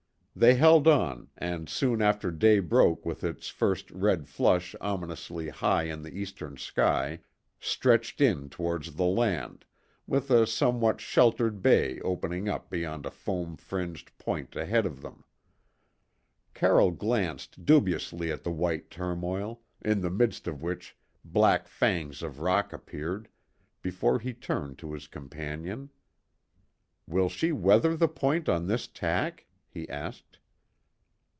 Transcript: They held on and, soon after day broke with its first red flush ominously high in the eastern sky, stretched in towards the land, with a somewhat sheltered bay opening up beyond a foam fringed point ahead of them. Carroll glanced dubiously at the white turmoil, in the midst of which black fangs of rock appeared, before he turned to his companion. "Will she weather the point on this tack?" he asked.